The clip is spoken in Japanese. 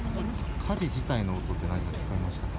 火事自体の音って何かありました？